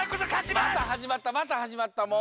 またはじまったまたはじまったもう。